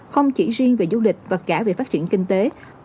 không chỉ riêng về du lịch và cả về phát triển kinh tế